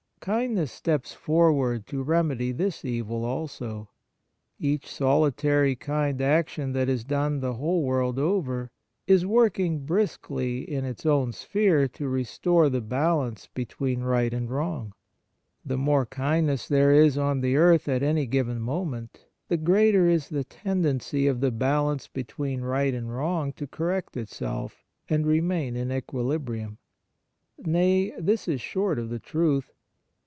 Kindness steps forward to remedy this evil also. Each solitary kind action that is done the whole world over is working briskly in its own sphere to restore the balance between right and wrong. The more kindness there is on the earth at any given moment, the greater is the tendency of the balance between right and wrong to correct itself, and remain in equilibrium. Nay, this is short of the truth.